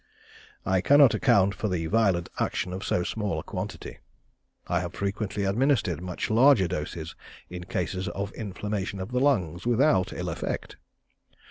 I cannot account for the violent action of so small a quantity. I have frequently administered much larger doses in cases of inflammation of the lungs without ill effect.